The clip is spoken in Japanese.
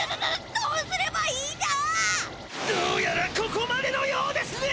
どうやらここまでのようですね！